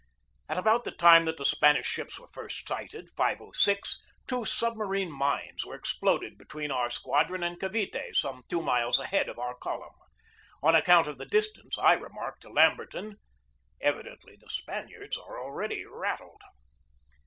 At about the time that the Spanish ships were THE BATTLE OF MANILA BAY 215 first sighted, 5.06, two submarine mines were ex ploded between our squadron and Cavite, some two miles ahead of our column. On account of the dis tance, I remarked to Lamberton: "Evidently the Spaniards are already rattled."